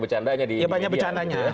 bercandanya di media ya banyak bercandanya